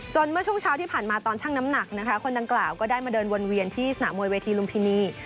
เมื่อช่วงเช้าที่ผ่านมาตอนช่างน้ำหนักนะคะคนดังกล่าวก็ได้มาเดินวนเวียนที่สนามมวยเวทีลุมพินี